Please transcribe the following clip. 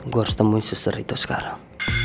gue harus temui suster itu sekarang